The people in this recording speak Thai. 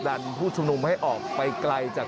คุณภูริพัฒน์ครับ